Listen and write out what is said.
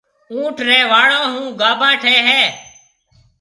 اُونٺ ريَ واݪون هون گاڀا ٺهيَ هيَ۔